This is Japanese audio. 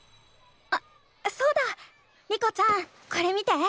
あそうだ。リコちゃんこれ見て。